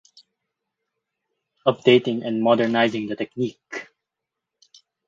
Updating and modernizing the technique.